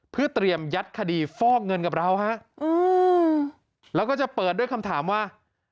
เพื่อเตรียมยัดคดีฟอกเงินกับเราฮะแล้วก็จะเปิดด้วยคำถามว่า